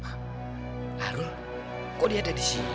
pak arun kok dia ada disini